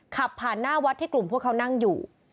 ขับผ่านหน้าวัดที่กลุ่มพวกเขานั่งอยู่